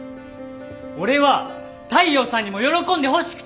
俺は大陽さんにも喜んでほしくて！